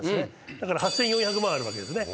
だから８，４００万あるわけですね。